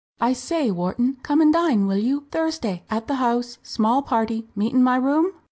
"I say, Wharton, come and dine, will you, Thursday, at the House small party meet in my room?"